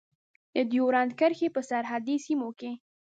د ډیورند کرښې په سرحدي سیمو کې.